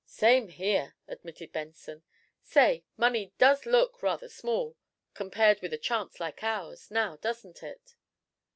'" "Same here," admitted Benson. "Say, money does look rather small, compared with a chance like ours. Now, doesn't it?"